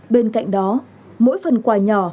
bên cạnh đó mỗi phần quả nhỏ